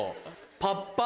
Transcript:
パッパ？